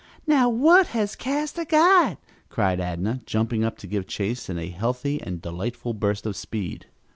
"Now what has Castor got?" cried Adnah, jumping up to give chase in a healthy and delightful burst of speed.